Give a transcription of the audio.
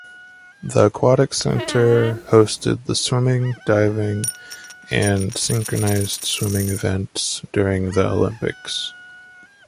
The Aquatics Center hosted the swimming, diving and synchronized swimming events during the Olympics.